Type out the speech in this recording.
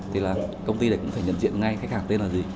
thì là công ty này cũng phải nhận diện ngay khách hàng tên là gì